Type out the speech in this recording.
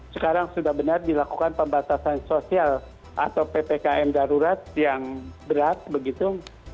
sekarang sudah benar dilakukan pembatasan sosial atau ppkm darurat yang berat begitu